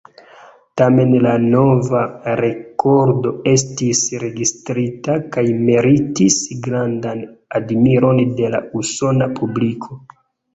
Tamen la nova rekordo estis registrita kaj meritis grandan admiron de la usona publiko.